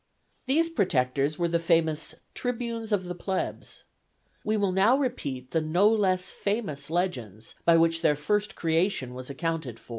These protectors were the famous Tribunes of the Plebs. We will now repeat the no less famous legends by which their first creation was accounted for.